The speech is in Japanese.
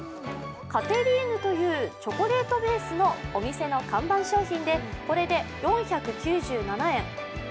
カテリーヌというチョコレートベースのお店の看板商品で、これで４９７円。